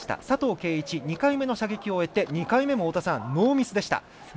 佐藤圭一、２回目の射撃を終えて２回目もノーミスでした。